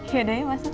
yaudah ya mas